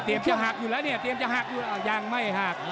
เตรียมจะหักอยู่แล้วเนี่ยยังไม่หัก